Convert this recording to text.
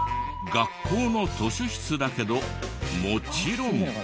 学校の図書室だけどもちろん。